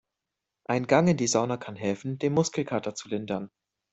Ein Gang in die Sauna kann helfen, den Muskelkater zu lindern.